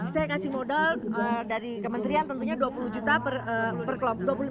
saya kasih modal dari kementerian tentunya dua puluh juta per kelompok